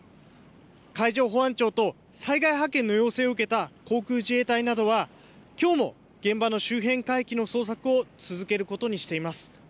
海上保安庁と災害派遣の要請を受けた航空自衛隊などは、きょうも現場の周辺海域の捜索を続けることにしています。